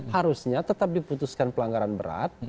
harusnya tetap diputuskan pelanggaran berat